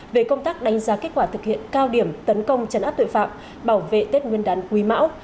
về công tác đánh giá kết quả thực hiện cao điểm tấn công chấn áp tội phạm bảo vệ tết nguyên đán quý mão